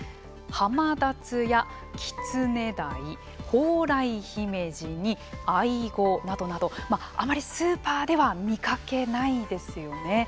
ハマダツやキツネダイホウライヒメジにアイゴなどなどあまりスーパーでは見かけないですよね。